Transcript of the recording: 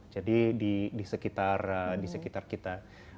jadi di sekitar kita